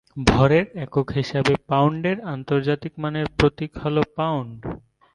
ভরের একক হিসাবে পাউন্ডের আন্তর্জাতিক মানের প্রতীক হল পাউন্ড।